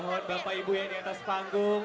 ya mohon bapak ibu yang diatas panggung